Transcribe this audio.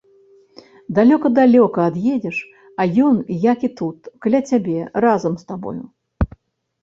Далёка, далёка ад'едзеш, а ён як і тут, каля цябе, разам з табою.